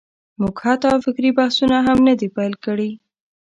موږ حتی فکري بحثونه هم نه دي پېل کړي.